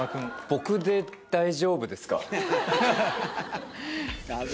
僕で大丈夫ですか？